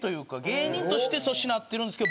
芸人として粗品は会ってるんですけど